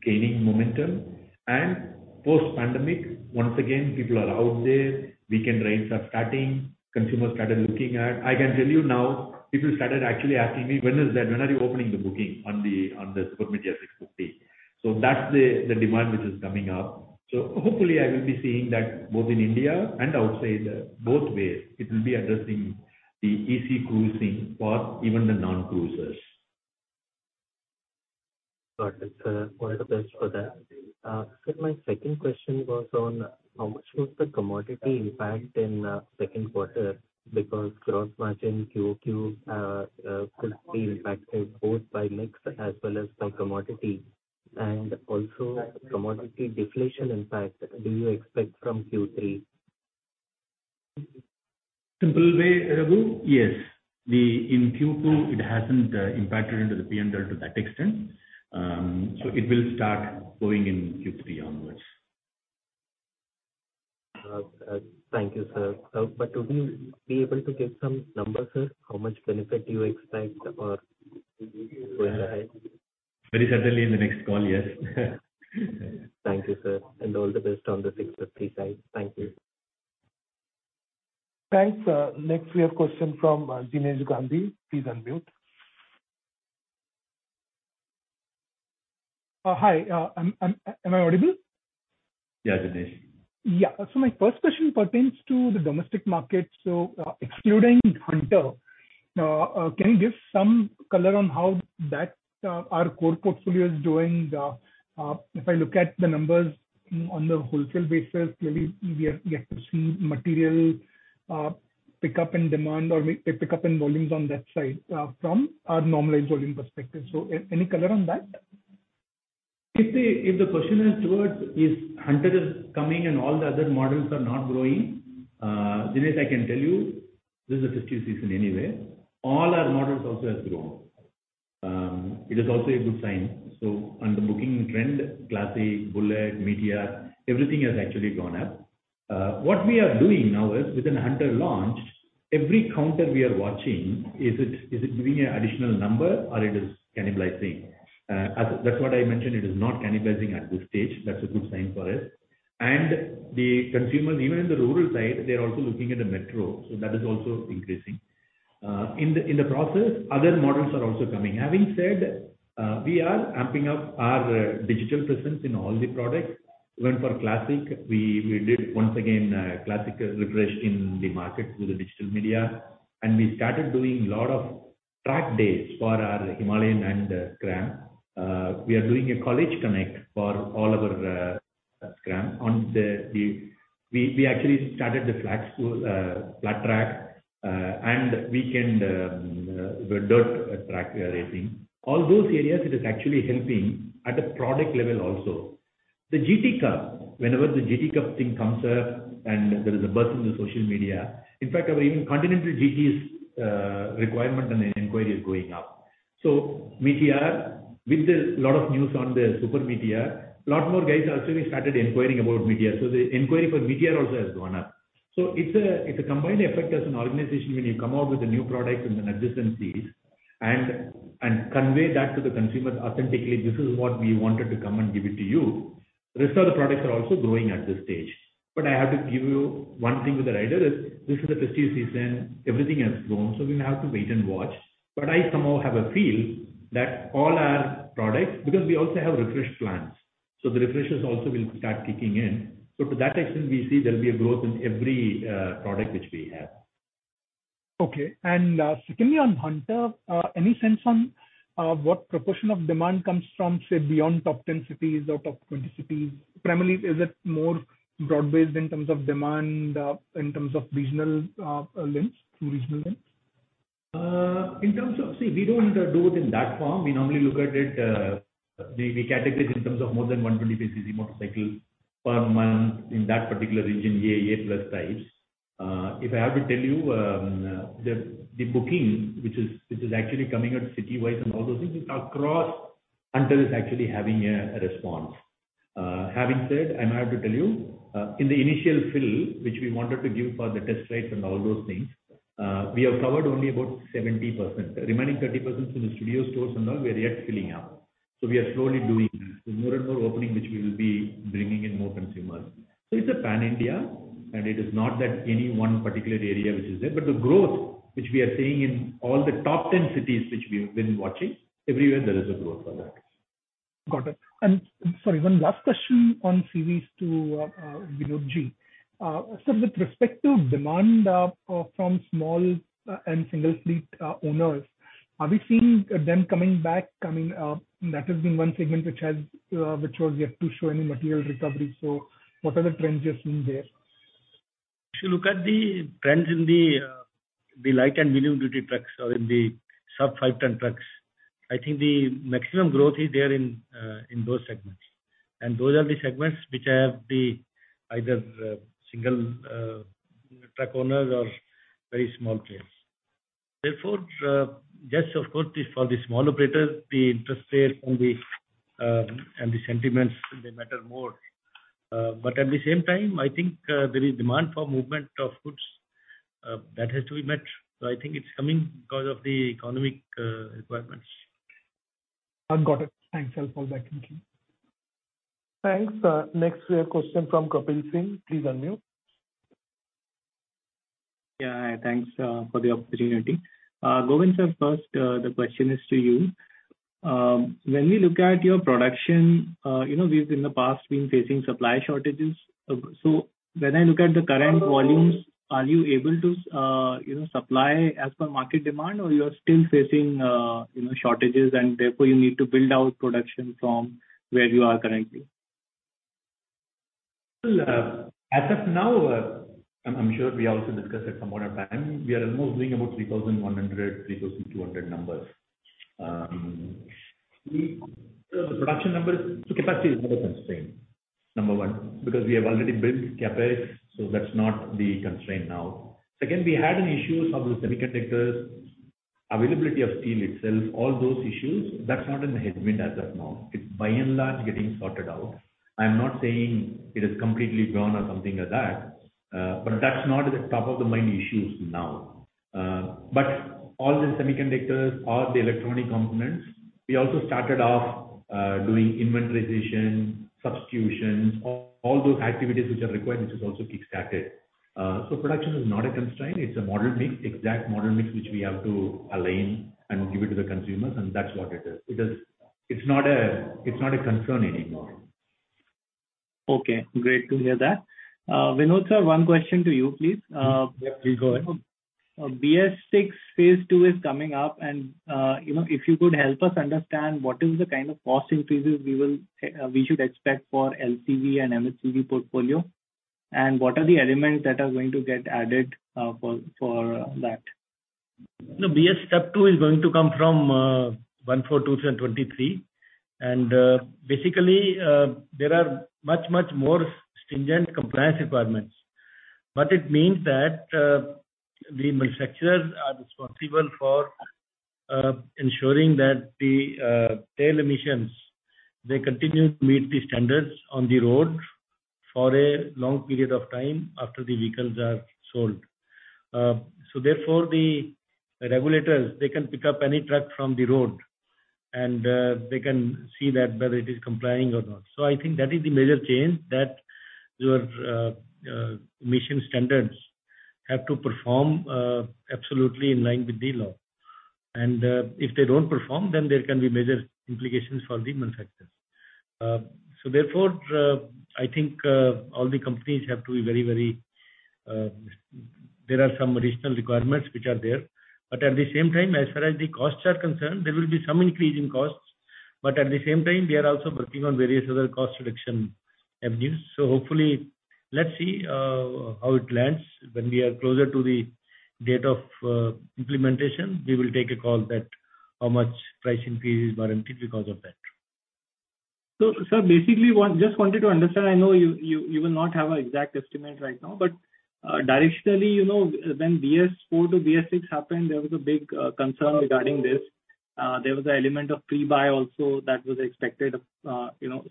gaining momentum and post pandemic, once again, people are out there, weekend rides are starting, consumers started looking at. I can tell you now, people started actually asking me, "When is that? When are you opening the booking on the Super Meteor 650?" That's the demand which is coming up. Hopefully I will be seeing that both in India and outside. Both ways it will be addressing the easy cruising for even the non-cruisers. Got it, sir. All the best for that. Sir, my second question was on how much was the commodity impact in second quarter? Because gross margin QoQ could be impacted both by mix as well as by commodity. Also commodity deflation impact do you expect from Q3? Simple way, Raghu. Yes. In Q2 it hasn't impacted into the P&L to that extent. It will start going in Q3 onwards. Thank you, sir. Would you be able to give some numbers, sir? How much benefit do you expect or going ahead? Very certainly in the next call. Yes. Thank you, sir, and all the best on the 650 side. Thank you. Thanks. Next we have question from Jinesh Gandhi. Please unmute. Hi. Am I audible? Yeah, Jinesh. Yeah. My first question pertains to the domestic market. Excluding Hunter, can you give some color on how our core portfolio is doing? If I look at the numbers on the wholesale basis, clearly we are yet to see material pickup in demand or a pickup in volumes on that side, from our normalized volume perspective. Any color on that? Question is towards if Hunter is coming and all the other models are not growing, Dinesh. I can tell you this is a festive season anyway. All our models also has grown. It is also a good sign. On the booking trend, Classic, Bullet, Meteor, everything has actually gone up. What we are doing now is with the Hunter launch, every counter we are watching, is it giving an additional number or it is cannibalizing? That's what I mentioned, it is not cannibalizing at this stage. That's a good sign for us. The consumers, even in the rural side, they're also looking at the Metro, so that is also increasing. In the process, other models are also coming. Having said, we are amping up our digital presence in all the products. Even for Classic, we did once again a Classic refresh in the market through the digital media and we started doing a lot of track days for our Himalayan and Scram. We are doing a college connect for all of our Scram. We actually started the flat track school, flat track, and weekend dirt track racing. All those areas it is actually helping at a product level also. The GT Cup, whenever the GT Cup thing comes up and there is a buzz in the social media, in fact, our even Continental GT's requirement and inquiry is going up. So Meteor, with a lot of news on the Super Meteor, a lot more guys also they started inquiring about Meteor. So the inquiry for Meteor also has gone up. It's a combined effect as an organization when you come out with a new product in an adjacent series and convey that to the consumers authentically, "This is what we wanted to come and give it to you." Rest of the products are also growing at this stage. I have to give you one thing with the rider, this is a festive season. Everything has grown, so we have to wait and watch. I somehow have a feel that all our products, because we also have refresh plans, so the refreshes also will start kicking in. To that extent, we see there'll be a growth in every product which we have. Okay. Secondly, on Hunter, any sense on what proportion of demand comes from, say, beyond top 10 cities or top 20 cities? Primarily, is it more broad-based in terms of demand, in terms of regional lenses, through regional lenses? In terms of, we don't do it in that form. We normally look at it, the categories in terms of more than 125 cc motorcycle per month in that particular region, AA+ types. If I have to tell you, the booking which is actually coming out city-wise and all those things is across until it's actually having a response. Having said, I might have to tell you, in the initial fill, which we wanted to give for the test rides and all those things, we have covered only about 70%. The remaining 30% in the studio stores and all we are yet filling up. We are slowly doing that. More and more opening, which we will be bringing in more consumers. It's a pan-India, and it is not that any one particular area which is there. The growth which we are seeing in all the top 10 cities which we've been watching, everywhere there is a growth on that. Got it. Sorry, one last question on CVs to Vinod ji. Sir, with respect to demand from small and single fleet owners, are we seeing them coming back? I mean, that has been one segment which was yet to show any material recovery. What are the trends you're seeing there? If you look at the trends in the light and medium duty trucks or in the sub-5 ton trucks, I think the maximum growth is there in those segments. Those are the segments which have either single truck owners or very small fleets. Therefore, yes, of course, for the small operators, the interest rate and the sentiments, they matter more. But at the same time, I think there is demand for movement of goods that has to be met. I think it's coming because of the economic requirements. Got it. Thanks. I'll fall back. Thank you. Thanks. Next we have question from Kapil Singh. Please unmute. Yeah. Thanks for the opportunity. Govind sir, first, the question is to you. When we look at your production, you know, we've in the past been facing supply shortages. When I look at the current volumes, are you able to, you know, supply as per market demand, or you are still facing, you know, shortages and therefore you need to build out production from where you are currently? Well, as of now, I'm sure we also discussed it some other time. We are almost doing about 3,100-3,200 numbers. The production numbers, so capacity is not a constraint, number one. Because we have already built capacity, so that's not the constraint now. Second, we had an issue of the semiconductors, availability of steel itself, all those issues, that's not in the headwind as of now. It's by and large getting sorted out. I am not saying it is completely gone or something like that, but that's not the top of the mind issues now. All the semiconductors, all the electronic components, we also started off doing inventorying, substitutions, all those activities which are required, which has also kick-started. Production is not a constraint. It's a model mix, exact model mix which we have to align and give it to the consumers, and that's what it is. It's not a concern anymore. Okay, great to hear that. Vinod sir, one question to you, please. Yeah, please go ahead. BSVI phase II is coming up, you know, if you could help us understand what is the kind of cost increases we should expect for LCV portfolio, and what are the elements that are going to get added for that? No, BSVI step 2 is going to come from April 1, 2023. Basically, there are much more stringent compliance requirements. What it means that the manufacturers are responsible for ensuring that the tail emissions they continue to meet the standards on the road for a long period of time after the vehicles are sold. Therefore, the regulators they can pick up any truck from the road and they can see that whether it is complying or not. I think that is the major change, that your emission standards have to perform absolutely in line with the law. If they don't perform, then there can be major implications for the manufacturers. Therefore, I think all the companies have to be very. There are some additional requirements which are there. At the same time, as far as the costs are concerned, there will be some increase in costs. At the same time, we are also working on various other cost reduction avenues. Hopefully, let's see, how it lands. When we are closer to the date of, implementation, we will take a call that how much price increase is warranted because of that. Sir, basically, I just wanted to understand. I know you will not have an exact estimate right now. Directionally, you know, when BSIV to BSVI happened, there was a big concern regarding this. There was an element of pre-buy also that was expected, you know.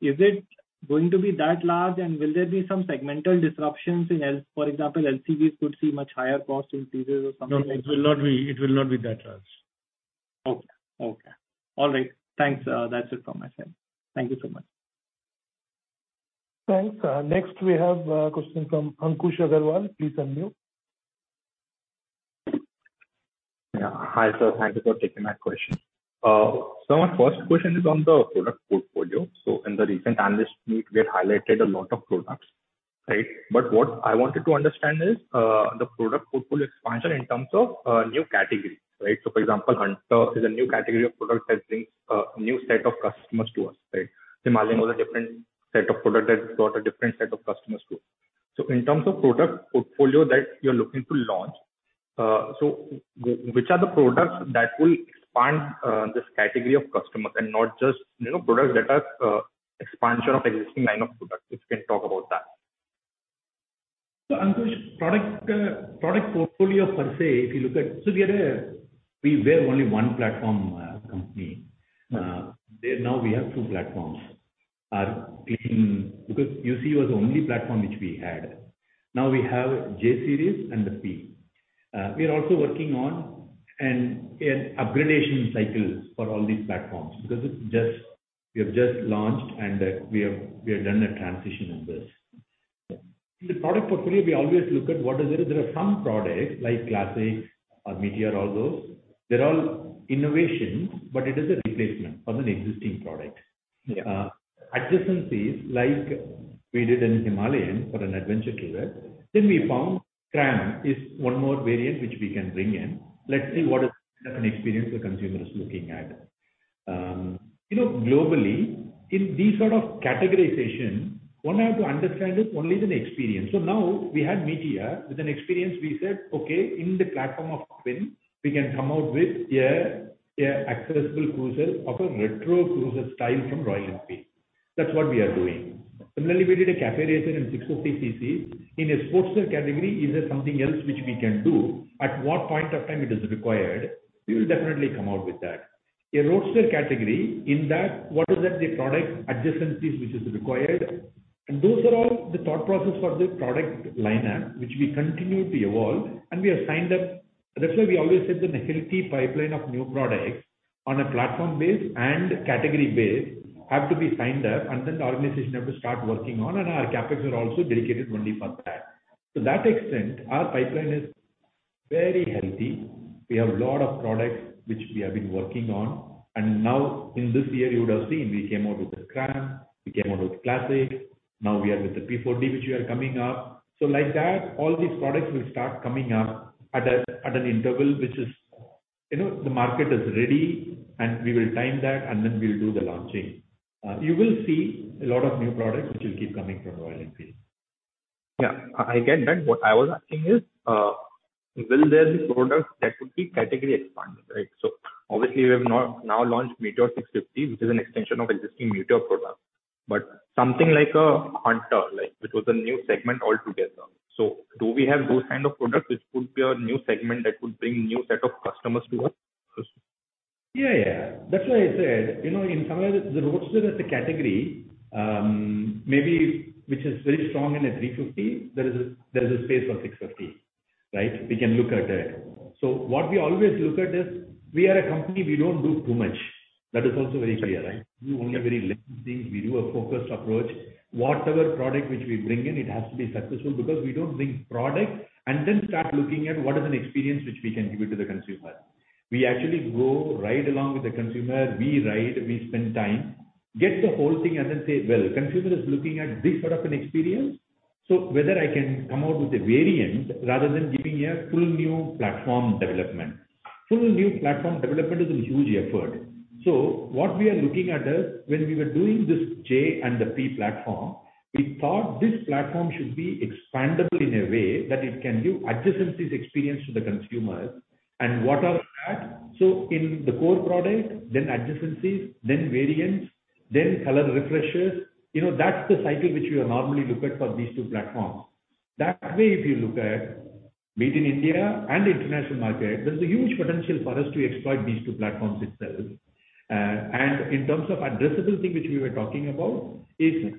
Is it going to be that large and will there be some segmental disruptions in, for example, LCVs could see much higher cost increases or something like that? No, it will not be that large. Okay. All right. Thanks. That's it from my side. Thank you so much. Thanks. Next we have a question from Ankush Agarwal. Please unmute. Yeah. Hi, sir. Thank you for taking my question. My first question is on the product portfolio. In the recent analyst meet, we have highlighted a lot of products, right? What I wanted to understand is the product portfolio expansion in terms of new category, right? For example, Hunter is a new category of product that brings a new set of customers to us, right? Scram is a different set of product that has brought a different set of customers to us. In terms of product portfolio that you are looking to launch, which are the products that will expand this category of customers and not just, you know, products that are expansion of existing line of products? If you can talk about that. Ankush, product portfolio per se, if you look at, we were only one platform company. Now we have two platforms because UC was the only platform which we had. Now we have J-series and the P. We are also working on an upgradation cycle for all these platforms because we have just launched and we have done a transition on this. In the product portfolio, we always look at what is it. There are some products like Classic or Meteor, all those. They're all innovations, but it is a replacement of an existing product. Yeah. Adjacencies like we did in Himalayan for an adventure tourer. We found Scram is one more variant which we can bring in. Let's see what type of an experience the consumer is looking at. You know, globally in these sort of categorization, one have to understand it only is an experience. Now we had Meteor. With an experience we said, okay, in the platform of twin, we can come out with a accessible cruiser of a retro cruiser style from Royal Enfield. That's what we are doing. Similarly, we did a café racer in 650 cc. In a sports tourer category is there something else which we can do? At what point of time it is required, we will definitely come out with that. A roadster category, in that what is that the product adjacencies which is required. Those are all the thought process for the product lineup, which we continue to evolve and we have signed up. That's why we always said that a healthy pipeline of new products on a platform base and category base have to be signed up, and then the organization have to start working on, and our CapEx are also dedicated only for that. To that extent, our pipeline is very healthy. We have a lot of products which we have been working on. Now in this year you would have seen we came out with the Scram, we came out with Classic, now we are with the P40 which we are coming up. Like that, all these products will start coming up at an interval which is, you know, the market is ready and we will time that and then we'll do the launching. You will see a lot of new products which will keep coming from Royal Enfield. Yeah, I get that. What I was asking is, will there be products that would be category expansion, right. Obviously we have now launched Meteor 650, which is an extension of existing Meteor product. Something like a Hunter, like which was a new segment altogether. Do we have those kind of products which could be a new segment that would bring new set of customers to us? Yeah, yeah. That's why I said, you know, in some ways the roadster as a category, maybe which is very strong in a 350, there is a space for 650, right? We can look at it. What we always look at is we are a company, we don't do too much. That is also very clear, right? We do only a very limited things. We do a focused approach. Whatever product which we bring in, it has to be successful because we don't bring product and then start looking at what is an experience which we can give it to the consumer. We actually go ride along with the consumer. We ride, we spend time, get the whole thing and then say, well, consumer is looking at this sort of an experience. Whether I can come out with a variant rather than giving a full new platform development. Full new platform development is a huge effort. What we are looking at is when we were doing this J and the P platform, we thought this platform should be expandable in a way that it can give adjacencies experience to the consumer and what are that. In the core product, then adjacencies, then variants, then color refreshes. You know, that's the cycle which we are normally look at for these two platforms. That way, if you look at Made in India and the international market, there's a huge potential for us to exploit these two platforms itself. In terms of addressability, which we were talking about, is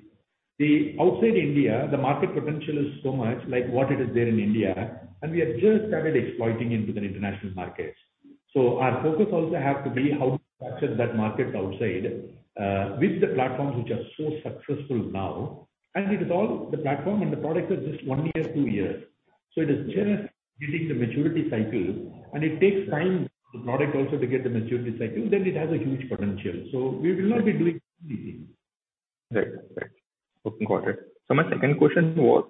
the outside India, the market potential is so much like what it is there in India, and we have just started exploiting into the international markets. Our focus also have to be how to access that market outside, with the platforms which are so successful now. It is all the platform and the product is just one year, two years. It is just hitting the maturity cycle and it takes time for the product also to get the maturity cycle, then it has a huge potential. We will not be doing anything. Right. Got it. My second question was,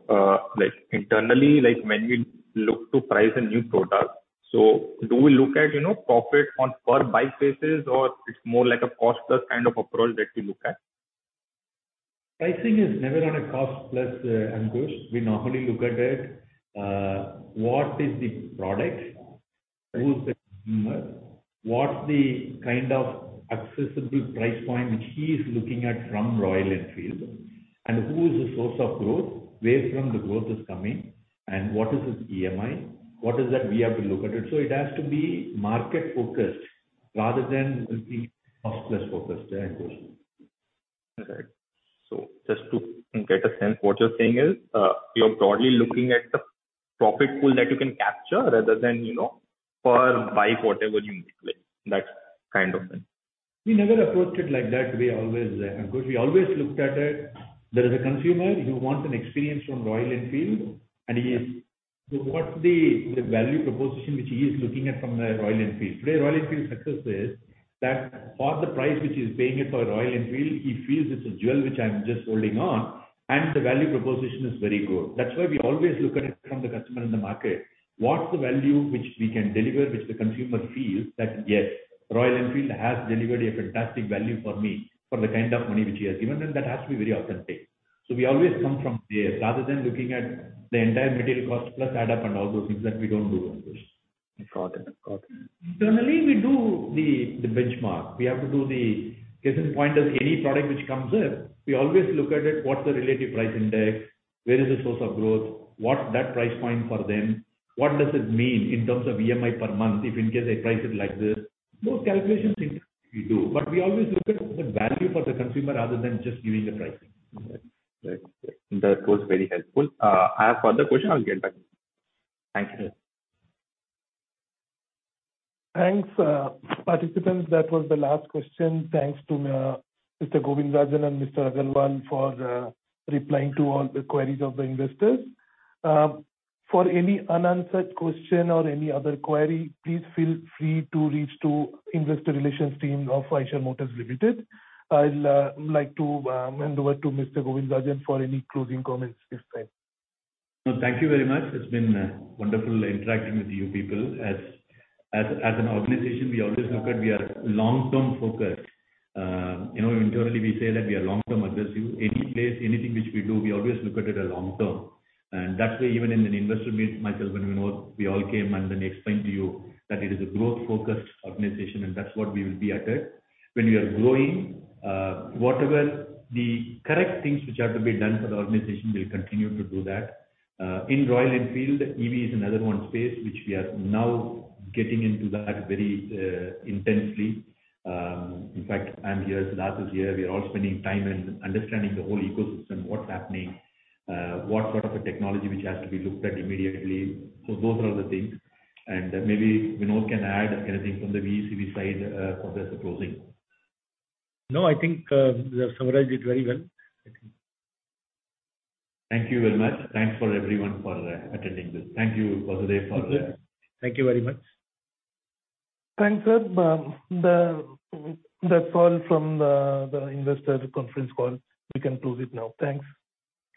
like internally, like when we look to price a new product, so do we look at, you know, profit on per bike basis or it's more like a cost plus kind of approach that we look at? Pricing is never on a cost plus, Ankush. We normally look at it, what is the product? Who is the consumer? What's the kind of accessible price point which he is looking at from Royal Enfield? And who is the source of growth? Where from the growth is coming? And what is his EMI? What is that we have to look at it. It has to be market focused rather than looking cost plus focused, yeah, Ankush. Okay. Just to get a sense, what you're saying is, you're broadly looking at the profit pool that you can capture rather than, you know, per bike whatever you make, like that kind of thing. We never approached it like that. We always, Ankush, we always looked at it. There is a consumer who wants an experience from Royal Enfield, so what's the value proposition which he is looking at from Royal Enfield. Today Royal Enfield success is that for the price which he's paying it for Royal Enfield, he feels it's a jewel which I'm just holding on, and the value proposition is very good. That's why we always look at it from the customer in the market. What's the value which we can deliver, which the consumer feels that, yes, Royal Enfield has delivered a fantastic value for me, for the kind of money which he has given, and that has to be very authentic. We always come from there. Rather than looking at the entire material cost plus add-ons and all those things that we don't do, Ankush. Got it. Got it. Internally, we do the benchmark. We have to do the case in point as any product which comes in, we always look at it, what's the relative price index? Where is the source of growth? What that price point for them? What does it mean in terms of EMI per month if in case they price it like this? Those calculations internally we do. We always look at the value for the consumer rather than just giving a pricing. Right. That was very helpful. I have further question. I'll get back. Thank you. Thanks, participants. That was the last question. Thanks to Mr. Govindarajan and Mr. Agarwal for replying to all the queries of the investors. For any unanswered question or any other query, please feel free to reach to investor relations team of Eicher Motors Limited. I'll like to hand over to Mr. Govindarajan for any closing comments if any. No, thank you very much. It's been wonderful interacting with you people. As an organization, we always look at we are long-term focused. You know, internally we say that we are long-term aggressive. Any place, anything which we do, we always look at it as long term. That's why even in an investor meet, myself and Vinod, we all came and then explained to you that it is a growth-focused organization, and that's what we will be at it. When we are growing, whatever the correct things which are to be done for the organization, we'll continue to do that. In Royal Enfield, EV is another one space which we are now getting into that very intensely. In fact, I'm here, Siddhartha is here. We are all spending time in understanding the whole ecosystem, what's happening, what sort of a technology which has to be looked at immediately. Those are the things. Maybe Vinod can add anything from the VECV side, for this closing. No, I think, you have summarized it very well. Thank you very much. Thanks to everyone for attending this. Thank you, Basudeb. Thank you very much. Thanks, sir. That's all from the investor conference call. We can close it now. Thanks.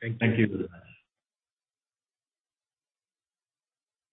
Thank you. Thank you.